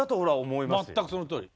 全くそのとおり。